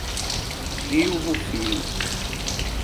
Rio Rufino